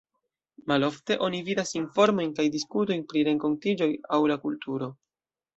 Malofte oni vidas informojn kaj diskutojn pri renkontiĝoj aŭ la kulturo.